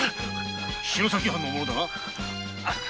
弘前藩の者だな？